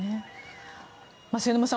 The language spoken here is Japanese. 末延さん